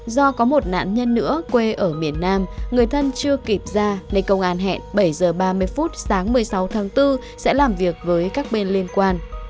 do có một nạn nhân nữa quê ở miền nam người thân chưa kịp ra nên công an hẹn bảy h ba mươi phút sáng một mươi sáu tháng bốn sẽ làm việc với các bên liên quan